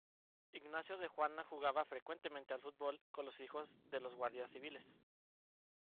Ignacio de Juana jugaba frecuentemente al fútbol con los hijos de los guardias civiles.